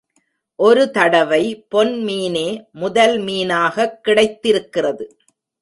ஒரு தடவை பொன் மீனே முதல் மீனாகக் கிடைத்திருக்கிறது.